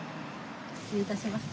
失礼致します。